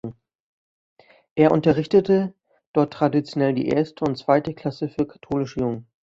Er unterrichtete dort traditionell die erste und zweite Klasse für katholische Jungen.